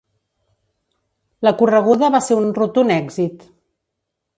La correguda va ser un rotund èxit.